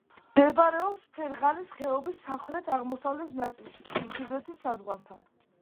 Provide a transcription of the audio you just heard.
მდებარეობს ფერღანის ხეობის სამხრეთ-აღმოსავლეთ ნაწილში, ყირგიზეთის საზღვართან.